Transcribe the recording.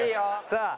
さあ